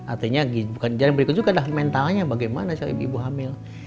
artinya bukan berikut juga adalah mentalnya bagaimana ibu hamil